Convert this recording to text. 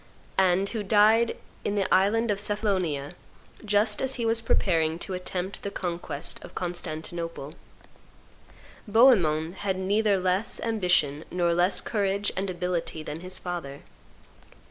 and who died in the island of Cephalonia just as he was preparing to attempt the conquest of Constantinople. Bohemond had neither less ambition nor less courage and ability than his father.